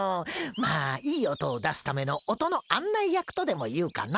まあいい音を出すための音の案内役とでもいうかな。